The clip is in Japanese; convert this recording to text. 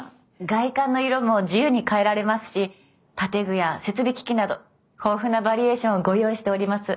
外観の色も自由に変えられますし建具や設備機器など豊富なバリエーションをご用意しております。